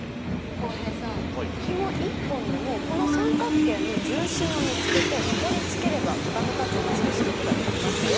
浩平さんひも１本でもこの三角形の重心を見つけてそこにつければ傾かずにつるすことができますよ。